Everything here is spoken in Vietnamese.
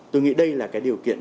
tôi nghĩ đây là điều kiện